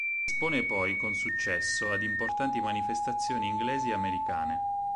Espone poi con successo ad importanti manifestazioni inglesi e americane.